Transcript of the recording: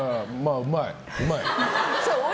うまい。